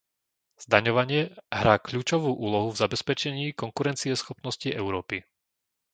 Zdaňovanie hrá kľúčovú úlohu v zabezpečení konkurencieschopnosti Európy.